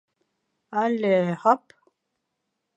— Алле, һоп!..